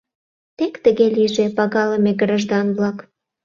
Тек тыге лийже, пагалыме граждан-влак!